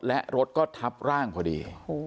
และรถก็ทับร่างพอดี